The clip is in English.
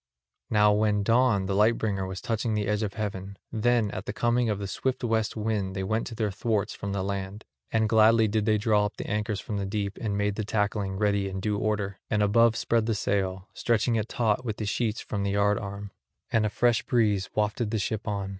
Now when dawn the light bringer was touching the edge of heaven, then at the coming of the swift west wind they went to their thwarts from the land; and gladly did they draw up the anchors from the deep and made the tackling ready in due order; and above spread the sail, stretching it taut with the sheets from the yard arm. And a fresh breeze wafted the ship on.